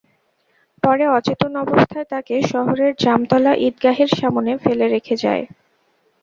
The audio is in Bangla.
পরে অচেতন অবস্থায় তাঁকে শহরের জামতলা ঈদগাহের সামনে ফেলে রেখে যায়।